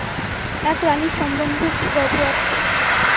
এক রানীর সম্বন্ধে একটি গল্প আছে।